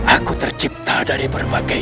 aku tercipta dari berbagai